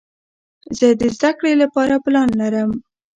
زه د زده کړې له پاره پلان لرم.